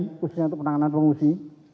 yang diperlukan untuk penanganan pengungsi